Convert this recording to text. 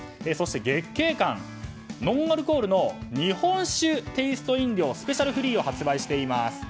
そして月桂冠、ノンアルコールの日本酒テイスト飲料スペシャルフリーを発売しています。